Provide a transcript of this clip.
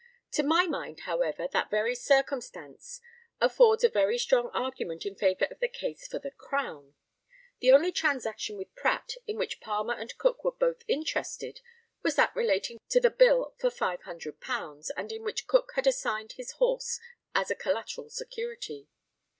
To my mind, however, that very circumstance affords a very strong argument in favour of the case for the Crown. The only transaction with Pratt, in which Palmer and Cook were both interested, was that relating to the bill for £500, and in which Cook had assigned his horse as a collateral security.